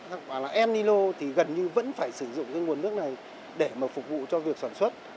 hoặc là em ni lô thì gần như vẫn phải sử dụng cái nguồn nước này để mà phục vụ cho việc sản xuất